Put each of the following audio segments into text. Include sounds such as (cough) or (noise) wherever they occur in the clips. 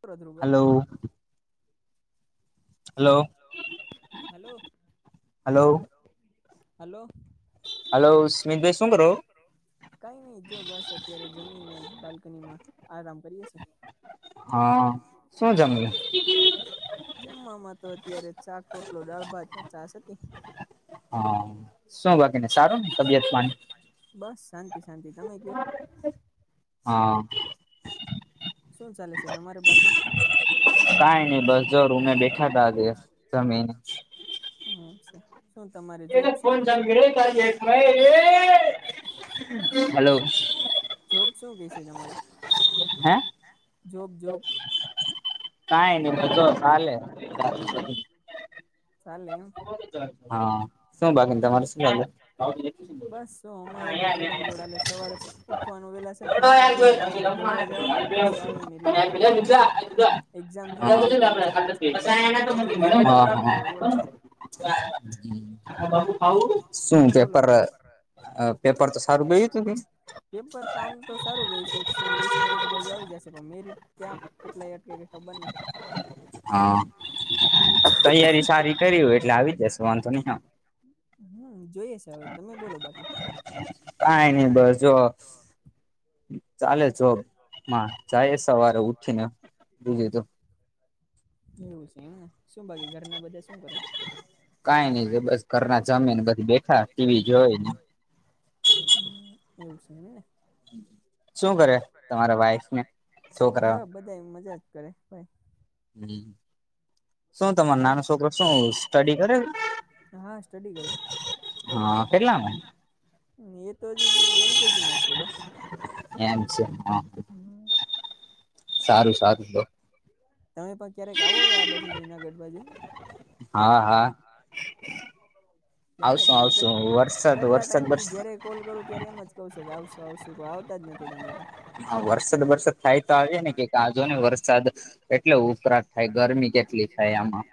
ધ્રુવભાઈ hello hello hello કઈ નઈ જો બસ અત્યારે જમીન ને બા લકનીમાં આરામ કરીએે છે. હા શું જમીયુ જમવામાં તો અત્યારે શાક રોટલો દાળ ભાત છાશ હતી. હા શું બાકીને શાક બસ શાંતિ શાંતિ તમે કયો શું ચાલે છે તમારે બાકી કઈ નઈ બસ જો રૂમે બેઠા હતા આજે જમીને અચ્છા (unintelligible) જોબ શું કે છે તમારે હે કઈ નહી તો ચાલે ચાલે એમ હા શું બાકી તમારે શું લાગે બસ શું અમારે તો દોડમ દોડા સવારે ઉઠવાનું વેલા સર પાંચ વાગે ગ્રાઉન્ડ દોડવા જવાનું (unintelligible) એક્ઝામ દીધી છે પોલીસની કોન્સ્ટેબલની પછી રિઝલ્ટ આવે ત્યારે ખબર પડે શું પેપર પેપર આમ તો સારું રહે છે એકસો વીસની આજુ બાજુ આવી જશે છો મેરીટ ક્યાં કેટલા અટકે કે ખબર નય હા તૈયારી સારી કરી હોય એટલે આવી જશે વાંધો નહી આ તમે બોલો બાકી કઈ નઈ બસ જો ચાલે જોમા જાય સવારે ઉઠી ને એવું છે એમને શું બાકી ઘર ના બધા શું કરે કઈ નઈ બસ ઘરના જમીને બધી બેઠા ટીવી જોઈને હ એવું છે શું કરે તમારા વાઇફને છોકરા હમ્મ શું તમારો નાનો છોકરો શું સ્ટડી કરેને હા કેટલામાં એતો હજી એલ કેજી માં છે ભાઈ હ તમે પણ ક્યારેક આવો હવે આવો જુનાગઢ હા હા ત્યારે તમે કે કેટલા ટાઈમ થી જારે કોલ કરો ત્યારે એમજ કહોશો આવશું આવશું કો આવતા જ નથી તમે પણ હા વરસાદ બરસાદ થાય તો આવીય ને કઈક આજો ને વરસાદ કેટલે ઉકરાથ થાયે ગરમી કેટલી થાય આમાં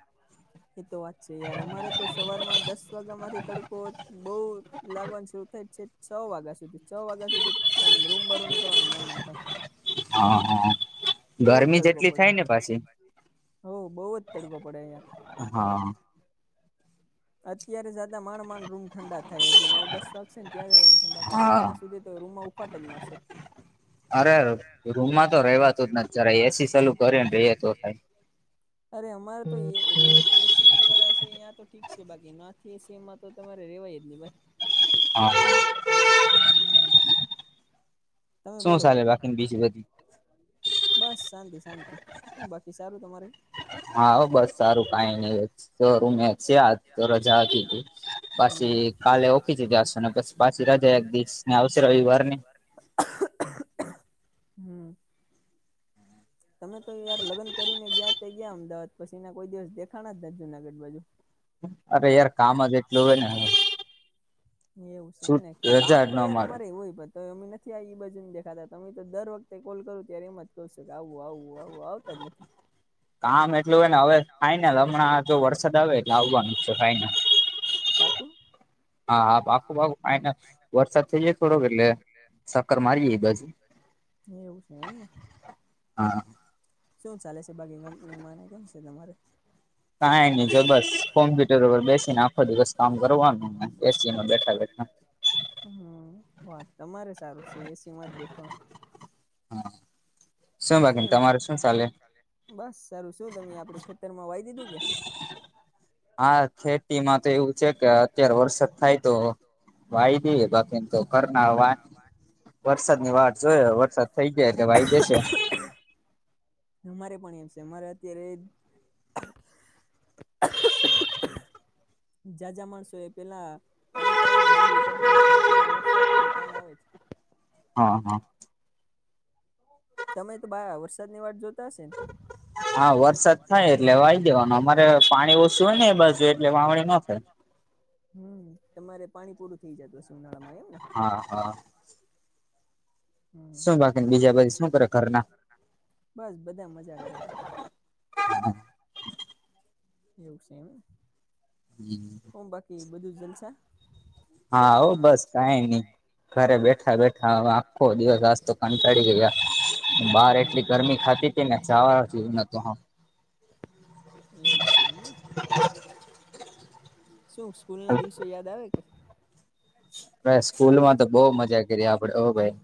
એતો વાત છે યાર અમારે તો સવાર માં દસ વાગ્યા માંથી તડકો બહુ લાગવાનું શરૂ થાય છેક છ વાગ્યા સુધી છ વાગ્યા સુધીમ રૂમમા નીકળવાનું મન ના થાય બઉ જ તડકો પડે હો બહુ જ તડકો પડે યાર અત્યારે માણ માડ રૂમ ઠંડા થાય હજી નવ દસ વાક છે ને ત્યારે રૂમ ઠંડા થાય ત્યાં સુધી તો રૂમમાં ઉફાટ જ મારશે. (inaudible) અરે રૂમમાં તો રેવાતું જ નથી જયારે એસી ચાલુ કરી બે તો થાયે અરે અમારે તો એ રૂમ એસી વાળા છે યાં તો ઠીક. બાકી ના એમાં તો તમારે રેવાય જ ન ભાઈ. હમ્મ તમે બોલો બાકી બસ શાંતિ. શાંતિ હ બાકી સારું તમારે. હા હો બસ સારું કાંઈ ની જ શોરૂમ મા છે આ તો રજા આપી તી પછી કાલે ઓફિસે જાસુ ને પછી પાછી રજા એક દિવસ ને આવશે રવિવાર ની. હમ્મ તમે તો યાર લગન કરીને ગયા તે ગયા અમદાવાદ પછી ના કોઈ દિવસ દેખાના જ ન જુનાગઢ બાજુ. અરે યાર કામ જ એટલું હોય ને. એવું છે એમ કોઈ કામ તો યાર અમારે એવ હોય પ. તો અમે નથી આ એ બાજુને દેખાતા તમે તો દર વખતે કોલ કરો ત્યારે એમાં જ કહશો કે આવું આવું આવું. આવતા જ નથી. કામ એટલું હોય ને હવે ફાાઈનલ હમણાં જો વરસાદ આવે એટલે આવવાનું છે ફાાઈનલ. (inaudible) પાકું હા હા પાકૂ બાકૂ ફાઈનલ વરસાદ થઇ જાય થોડોક એટલે સક્કર મારી જઈ બાજુ. એવું છે એમ ને. હા. શું ચાલે છે બાકી કંપનીમાંને કેમ છે તમારે. કાઈ નહી જો બસ કોમ્પ્યુટરર બેસીને આખો દિવસ કામ કરવાનું બેસીને બેઠા. (unintelligible) હમ્મ હા તમારે સારું છે એસીમાં જ બેઠોનું શું બસ સારું શું તમે આપડે ખેતરમાં વાય દીધું (inaudible) હા ખેતીમાં તો એવું છે કે અત્યારે વરસાદ થાય તો વાઈ દે બાકીને તો કરનાવા વરસાદની વાત જોયો વરસાદ થઈ જાય એટલે વાઈ કે છે. મારે પણ એમ છે અમારે અત્યારે એજ (inaudible) જા જા માણસો એ પેલા પાણી પાઈ ને માંડવી કરી નાખી પણ અત્યારે વરસાદની તાણ આવે છે. તમે તો વરસાદની વાત જોતા હશે ને હા વરસાદ થાય એટલે વાય દેવાનું અમારે પાણી ઓછું હોય ને બાજુ એટલે વાવણી ન થાય (inaudible) હમ તમારે પાણી પૂરું થઇ જતું હશે ઉનાળા હા હા શું બાકીને બીજા બાજુ બસ બધા મજા કરે પછી હા એવુ છે એમ હમ બધુ જલસા હા આવ બસ કઈ ની ઘરે બેઠા બેઠા હવે આખો દિવસ આજતો કંટાળી ગયા. બહાર એટલી ગરમી ધાતી હતી ને ચવાવું નતું હ એવું છે એમ શું સ્કૂલના દિવસો યાદ આવે કે અંવે સ્કૂલમાં તો બહ મજા કરીએ આપડે ઓ ભાઈ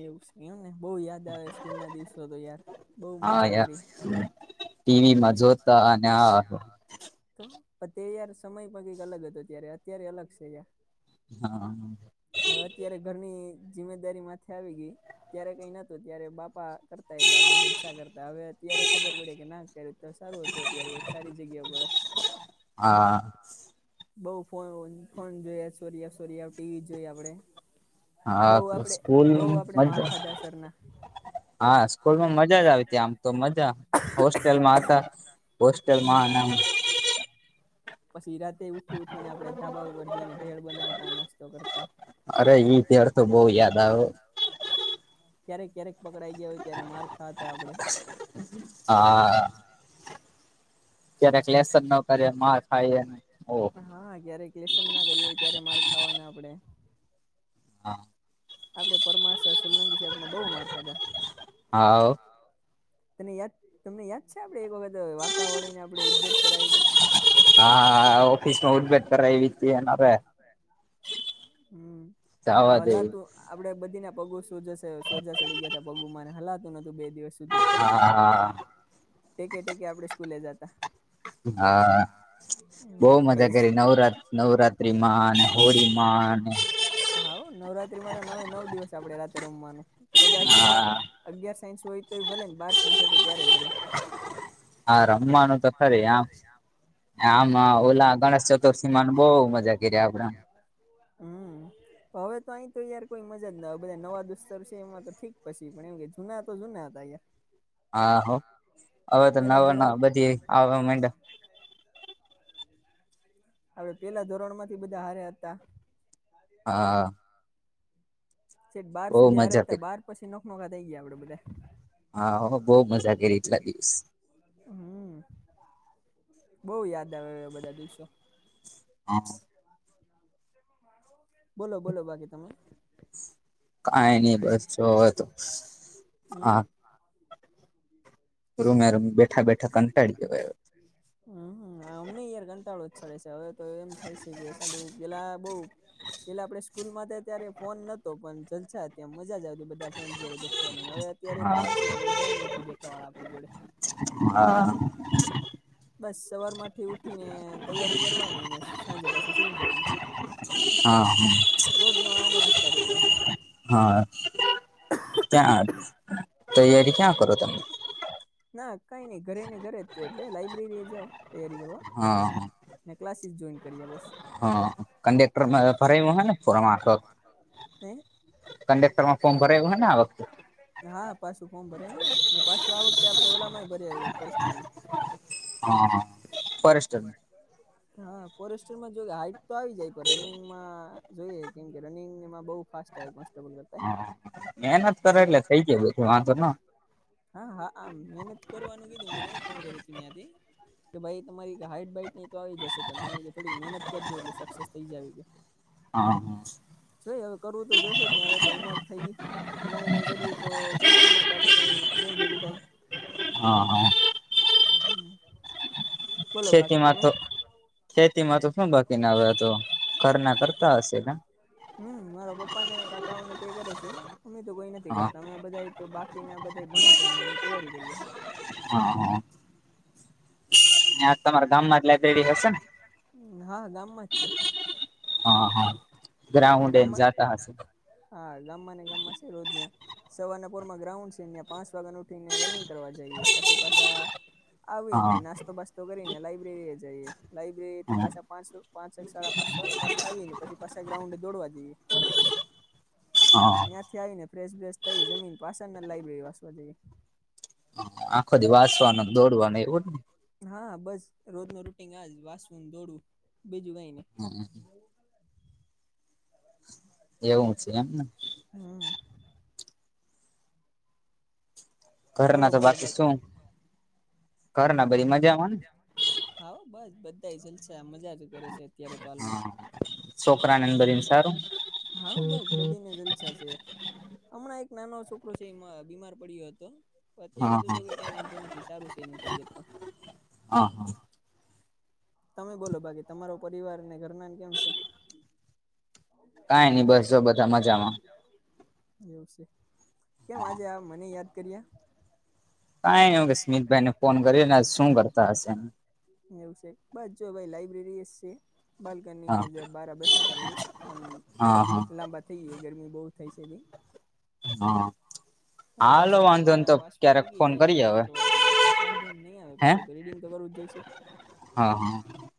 એવું છે એમને બહુ યાદ આવે સ્કૂલના દિવસો તો યાર બહુ મજા કરી ટીવીમાં જોતા અને હા તો તે યાર સમય પણ કઈક અલગ હતો ત્યારે અત્યારે અલગ છે યાર હા જિમેદારી માથી આવી ગઈ ત્યારે કઈ નતો ત્યારે બાપા કરતા એટલે આપડે ચર્ચા કરતા હવે અત્યારે ખબર પડે કે ના કર્યું તો સારું હતું અત્યારે એક સારી જગ્યા પર હા બઉ ફો ફોન જોઈએ સોરીએ સોરીએ ટીવી જોઈએ આપડે બોવ આપડે બોવ આપડે માર ખાધા સરના હા સ્કૂલમાં મજા જ આવી ત આમ તો મજા હોસ્ટેલમાં હતા. હોસ્ટલમાં નામ પછી રાતે ઉઠી ઉઠીને આપણે ધાબા ઉપર જઈને ભેળ બનાવતા નાસ્તો કરતા એ ત્યાર તો બોવ યાદ આવે હ ક્યારેક ક્યારેક પકડાઈ ગયા હોય ત્યારે માર ખાતા આપડે ત્યારે ક્લેસ હા જયારે લેશન ના કર્યુ હોય ત્યારે માર ખાવાના આપણેે હા આપડે પરમારસ સોલંકી સાહેબ આપને બહુ માર ખાધા હા તને યાદ તમને યાદ છે. આપણે એક વખત વાકાવાળીને આપે ઉદભેટ કરાવી તી હમ આપડે બધીને પગું સોજ સોજા સડી ગયા હતા પગુમાં, હલાતું નતું બે દિવસ. સુ ખબર ને? ટેકે ટેકે આપણે સ્કૂલે જતા. હા, બહુ મજા કરી નવરા, નવરાત્રીમાં અને હોળીમ હા. હાહો નવરાત્રીમાં તો નવે નવ દિવસ આપડે રાતે રમવાનું બ અગિયાર સાયન્સ હોય તો ભલે, ને બાર સાયન્સ હોય તો ત્યારેય ભલે. હા, રમવાનું તો ખરી આમ. આમ ઓલા ગણેસ ચતુર્થીમાંને બહુ મજા કરીએ આપણે. હમ. હવે તો અહીં તો યાર કોઈ મજા જ ના બધા નવા દુસ્તર છે એમાં તો ઠીક પછી પણ એમ કે જૂના તો જૂના. હા. હા, હવે તો નવા ન બધી આવવા માંડે. આપડે પેલા ધોરણમાંથી બધા હારે હતા. હા હા. સેઠ બાર સુધી હારે હતા, બાર પછી નોખ નોખા થઇ ગયા આપડે બધાય. હા હો, બહુ મજા કરી એટલા દિવસ. હમ, બહુ યાદ આવે એવા બધા દિવસો. હા. બોલો, બોલો, બાકી તમે. કઈ નઈ બસ જોવો તો, હા. સું? હ, (unintelligible) અમને યાર કંટાળો ચડે છે, હવે તો એમ થાય છે કે સાલું પેલા બહુ. પેલા આપડે સ્કૂલમાં તા, ત્યારે ફોન નતો, પન જલસા, ત્યા મજા જ આવતી. બધા ફ્રેન્ડ જોડે બેઠવાની, હવે અત્યારે ફોન છે પડ કોઈ ફ્રેન્ડ નથી બેઠવાવાળા. હા બસ સવારમાંથી ઉઠીને તૈયારી કરવાની, ને સાંજે પાછું સુઈ જવાનું. રોજનો આ ને આ સ કાર્યક્રમ. ક્યાં અ? તૈયારી ક્યાં કરો તમે? ના, કઈ નઈ, ઘરે ને ઘરે જ. એટલે લાઈબ્રેરી એ જાઉં. (unintelligible) ને ક્લાસીસ જોઈન કરીયા, બસ. હ, કંડેક્ટરમાં ફરાયું હોય ને ફોરમાં આખ? (unintelligible) (unintelligible) હા, પાછું ફોર્મ ભરે ને, ને પાછું આવક આપણે ઓલામાં (unintelligible) હા ફોરેસ્ટર હા, ફોરેસ્ટરમાં જો હાઈટ તો આવી જાય, પણ રનિંગમાં જોઈએ, કેમ કે રનિંગમાં બઉ (unintelligible) હા, મહેનત કરે એટલે થઇ ગયો, (unintelligible) વાંધો ન હા, હા આમ મહેનત કરવાનું કીધું મનેય, ફોર્મ ભર્યું તું ન્યાથી, કે ભાઈ તમારી હાઈટ બાાઈટને ઈ તો આવી જસે પણ તમે ઈ કે થોડીક મહેનત કરજો, એટલે સક્સેસ થઈ જાવ ઈ કે. હા જોઈ હવે કરવું તો જોશે જ ને હવે તો ઉંમર થઈ ગઈ. નહિં કઈ કર્યું તો ખેતી માં તો આપડું કઈ નહી ભેગું થાય. હા, હા. બોલો, બાકી તમે? ખેતીમાં તો સું બાકીન આવ તો, ખડના ખડતા હસે, કાં? હમ, મારા પપ્પા ને કાક તાઉને તે કરે સે, અમે તો કોઈ નથી કરતા. અમે તો બધાય, બાકીના બધાય ભણે સે ને અમે તૈયારી કરીએ. હા હા ન્યાં ત તમારા ગામમાં જ લાઈબ્રેરી હશે ને? હા ગામમાં જ છે. હા હા. ગમ હા. ગાાને ગ છે રોજ્યાં સવારના પુર માં ગ્રાઉન્ડ છે ત્યાં પાંચ વાગન ઉઠીને રનિંગ. કરવા જઈએ પછી પાછા. આવી ને નાસ્તો બાસ્તો કરીને લાઈબ્રેરી એ જઈએ. લાયબ્રેરી થી પાછ પાંચસ પાંસો સાડા પાંચસો એ પાછા આવીને પછી પાછ. દોડવા જઈએ ત્યાંથી આવીને. ફ્રેશ બ્રેશ થઇ જમીન પાછળને લાયબ્રેરી વાસવા જઈએ. હા. બસ રોજ ન રૂટીન આજ વાસવું દોડવું બીજું કઈને. એવું છે એમને. હમ. ઘરના તો બાકી શું. કર ના બરી મજામાં ને. છે આ મજા જ કરે છે અત્યારે તો હાલમાં. છોક હા. જલસા છે હમણાં એક નાનો છોકરો છે એમાં બીમાર પડયો હતો. અત્યારે તો જો કે કઈ વાંધો નથી સારું છે એની તબિયત તો. હા હા. તમે બોલો ભકી તમારો પરિવાર ને ઘરનાન કેમ છે. કઈ નઈ બસ તો બધા મજામાં. કેમ આજે આ મને યાદ કરીએ. કં ન કે સ્મિતભાઈ ને ફોન કરી ને શું કરતા હશે. બસ જો ભાઈ લાઈબ્રેરી એ છીએ. બાલ્કનીમાં જે બાર બેઠા તા ઘડીક લાંબા થઈ ગયા. ગરમી બહુ થાય છે. એને હા હાલો વાંધો ને તો ક્યારેક ફોન કરજે. રીડિંગ કરવા એટલે અંજળ નહી આવે પાછુ રીડિંગ તો કરવું જ જોઈશે. હા હા. (unintelligible)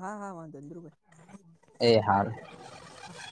હા ‌હા ધીરૂભાઇ (unintelligible) એ હારૂ (unintelligible)